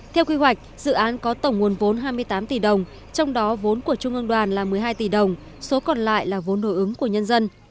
theo quy hoạch dự án có tổng nguồn vốn hai mươi tám tỷ đồng trong đó vốn của trung ương đoàn là một mươi hai tỷ đồng số còn lại là vốn đối ứng của nhân dân